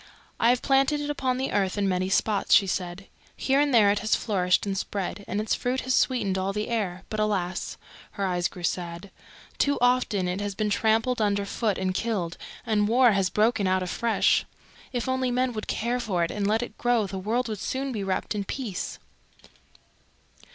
"I have planted it upon the earth in many spots," she said. "Here and there it has flourished and spread, and its fruit has sweetened all the air. But, alas!" her eyes grew sad, "too often it has been trampled under foot and killed, and war has broken out afresh. If only men would care for it and let it grow the world would soon be wrapped in peace."